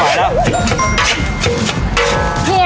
เม่าออกถึงเฉินแล้ว